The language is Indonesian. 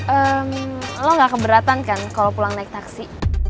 lo gak keberatan kan kalau pulang naik taksi